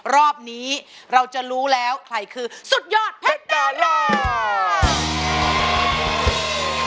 รอบนี้เราจะรู้แล้วใครคือสุดยอดเพชรดารา